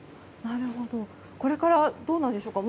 これからどうなんでしょうか。